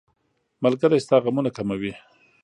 ملګری ستا غمونه کموي.